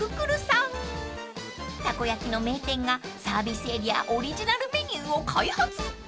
［たこ焼きの名店がサービスエリアオリジナルメニューを開発］